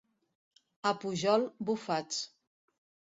A Pujol, bufats.